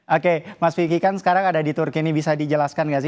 oke mas vicky kan sekarang ada di turki ini bisa dijelaskan nggak sih